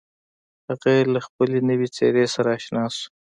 هغه له خپلې نوې څېرې سره اشنا شو.